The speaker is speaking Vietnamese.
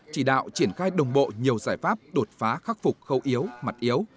chỉ đạo triển khai đồng bộ nhiều giải pháp đột phá khắc phục khâu yếu mặt yếu